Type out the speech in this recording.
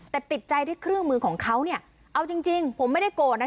แต่ติดใจที่เครื่องมือของเขาเนี่ยเอาจริงจริงผมไม่ได้โกรธนะ